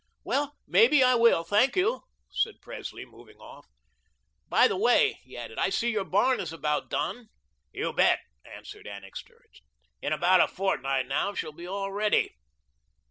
"Well, maybe I will, thank you," said Presley, moving off. "By the way," he added, "I see your barn is about done." "You bet," answered Annixter. "In about a fortnight now she'll be all ready."